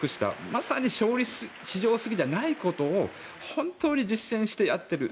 まさに勝利至上主義じゃないことを本当に実践してやっている。